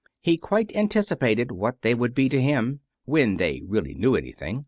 He quite anticipated what they would be to him when they really knew anything.